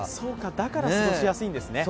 だから過ごしやすいんですね。